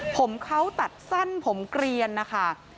ผมเขาตัดสั้นผมเกลียนนะคะ